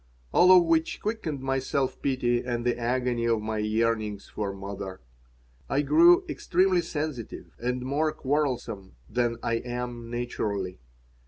All of which quickened my self pity and the agony of my yearnings for mother. I grew extremely sensitive and more quarrelsome than I am naturally.